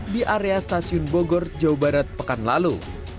di area stasiun bogor jawa barat pekan lalu